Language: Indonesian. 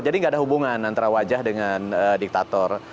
jadi tidak ada hubungan antara wajah dengan diktator